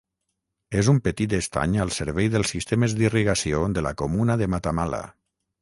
És un petit estany al servei dels sistemes d'irrigació de la comuna de Matamala.